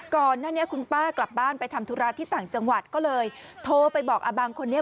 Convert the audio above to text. ก่อนหน้านี้คุณป้ากลับบ้านไปทำธุระที่ต่างจังหวัดก็เลยโทรไปบอกอาบังคนนี้